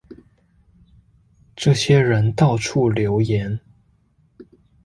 這些人到處留言